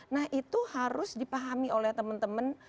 nah itu harus dipahami oleh teman teman